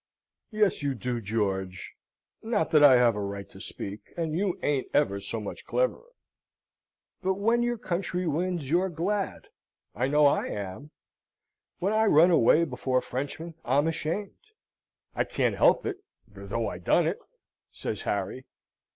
"Yes you do, George! Not that I have a right to speak, and you ain't ever so much cleverer. But when your country wins you're glad I know I am. When I run away before Frenchmen I'm ashamed I can't help it, though I done it," says Harry.